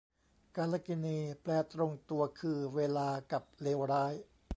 กาลกิณี แปลตรงตัวคือ เวลา กับ เลวร้าย